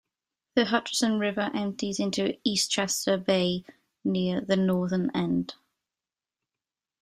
The Hutchinson River empties into Eastchester Bay near the northern end.